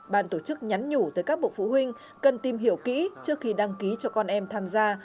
bàn tổ chức nhắn nhủ tới các bộ phụ huynh cần tìm hiểu kỹ trước khi đăng ký cho con em tham gia